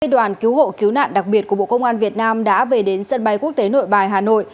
hai đoàn cứu hộ cứu nạn đặc biệt của bộ công an việt nam đã về đến sân bay quốc tế nội bài hà nội